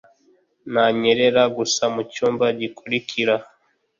nanyerera gusa mucyumba gikurikira.